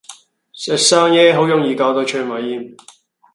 食生冷野好容易搞到腸胃炎